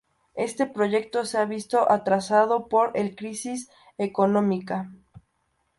Este proyecto se ha visto atrasado por el crisis económica.